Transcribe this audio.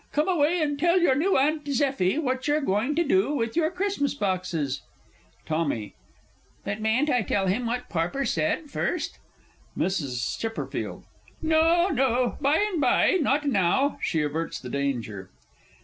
Come away, and tell your new Aunt Zeffie what you're going to do with your Christmas boxes. TOMMY. But mayn't I tell him what Parpar said, first? MRS. C. No, no; by and by not now! [_She averts the danger.